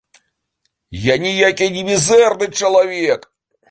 Я ніякі не мізэрны чалавек!